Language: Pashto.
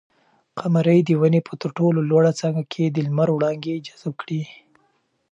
قمرۍ د ونې په تر ټولو لوړه څانګه کې د لمر وړانګې جذب کړې.